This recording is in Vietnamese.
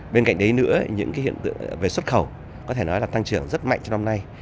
bên cạnh đấy nữa những hiện tượng về xuất khẩu có thể nói là tăng trưởng rất mạnh trong năm nay